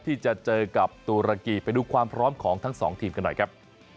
ที่จะเจอกับตุรกีไปดูความพร้อมของทั้งสองทีมกันหน่อยครับ